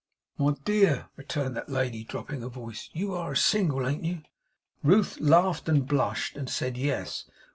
'My dear,' returned that lady, dropping her voice, 'you are single, ain't you?' Ruth laughed blushed, and said 'Yes.